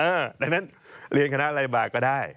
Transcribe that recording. เออดังนั้นเรียนคณะอะไรมาก็ได้